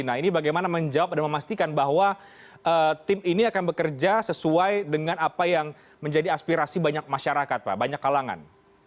nah ini bagaimana menjawab dan memastikan bahwa tim ini akan bekerja sesuai dengan apa yang menjadi aspirasi banyak masyarakat pak banyak kalangan